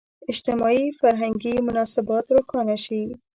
اجتماعي – فرهنګي مناسبات روښانه شي.